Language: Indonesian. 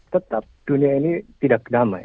tetap dunia ini tidak damai